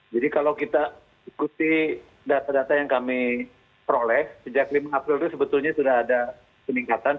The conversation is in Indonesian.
jadi kalau kita ikuti data data yang kami proles sejak lima april itu sebetulnya sudah ada peningkatan